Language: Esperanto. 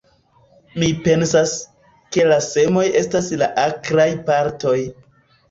Mi pensas, ke la semoj estas la akraj partoj.